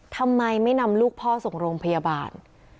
ทำไมไม่นำลูกพ่อส่งโรงพยาบาล